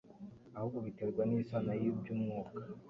ahubwo biterwa n'isano y'iby'umwuka.